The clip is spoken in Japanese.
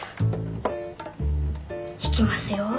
いきますよ。